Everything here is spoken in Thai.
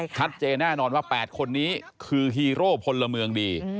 ชัดเจนแน่นอนว่า๘คนนี้คือฮีโร่พลเมืองดี